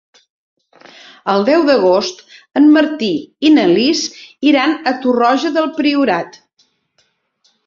El deu d'agost en Martí i na Lis iran a Torroja del Priorat.